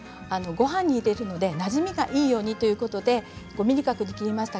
ごはんに入れるのでなじみがいいようにということで５ｍｍ角に切りました。